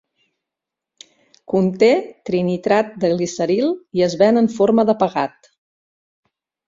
Conté trinitrat de gliceril i es ven en forma de pegat.